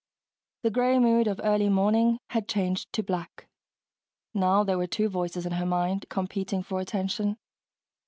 The gray mood of early morning had changed to black. Now there were two voices in her mind, competing for attention.